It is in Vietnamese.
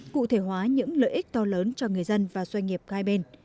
cụ thể hóa những lợi ích to lớn cho người dân và doanh nghiệp hai bên